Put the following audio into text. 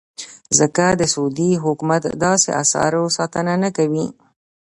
ځکه د سعودي حکومت داسې اثارو ساتنه نه کوي.